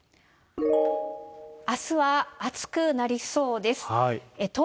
あすは暑くなりそうです。